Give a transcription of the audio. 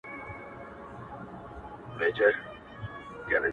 خپل یې کلی او دېره، خپله حجره وه؛